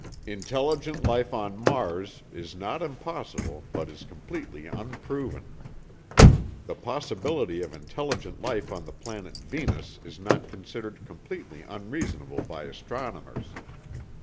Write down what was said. _ _"Intelligent life on Mars ... is not impossible but is completely unproven. The possibility of intelligent life on the Planet Venus is not considered completely unreasonable by astronomers.